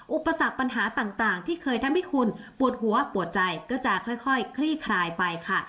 อุปสรรคปัญหาต่างที่เคยทำให้คุณปวดหัวปวดใจก็จะค่อยคลี่คลายไปค่ะ